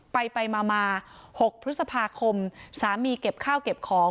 ไปไปมา๖พฤษภาคมสามีเก็บข้าวเก็บของ